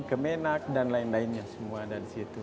kemenak dan lain lainnya semua ada di situ